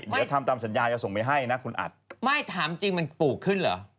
เดี๋ยวทำตามสัญญาจะส่งไปให้นะคุณอัดไม่ถามจริงมันปลูกขึ้นเหรอ